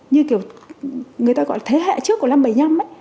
như kiểu người ta gọi là thế hệ trước của năm bảy mươi năm ấy